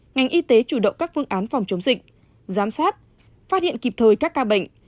ngành y tế chủ động các phương án phòng chống dịch giám sát phát hiện kịp thời các ca bệnh